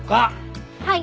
はい！